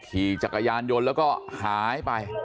ขี่จักรยานยนต์แล้วก็หายไป